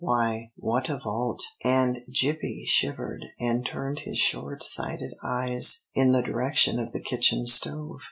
Why, what a vault! and Gippie shivered and turned his short sighted eyes in the direction of the kitchen stove.